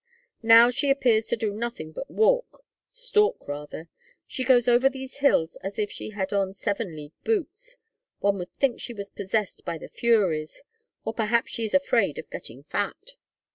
"Now she appears to do nothing but walk stalk rather. She goes over these hills as if she had on seven league boots. One would think she was possessed by the furies; or perhaps she is afraid of getting fat.